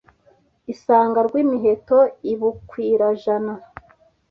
Isanga Rwimiheto i Bukwirajana